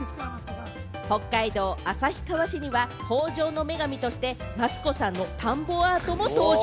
北海道旭川市には豊穣の女神としてマツコさんの田んぼアートも登場。